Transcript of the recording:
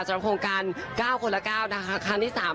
สำหรับโครงการเก้าคนละเก้านะคะครั้งที่สาม